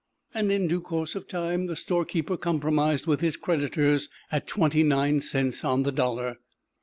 And in due course of time the storekeeper compromised with his creditors, at twenty nine cents on the dollar.